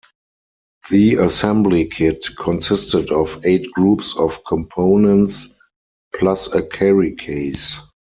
The assembly kit consisted of eight groups of components, plus a carry case.